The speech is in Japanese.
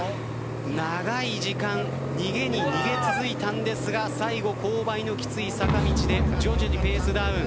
長い時間逃げに逃げ続いたんですが最後、勾配のきつい坂道で徐々にペースダウン。